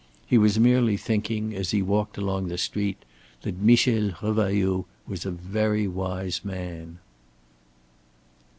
He was merely thinking as he walked along the street that Michel Revailloud was a very wise man.